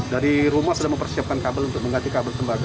dari rumah sudah mempersiapkan kabel untuk mengganti kabel tembaga